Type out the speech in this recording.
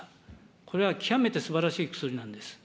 これは極めてすばらしい薬なんです。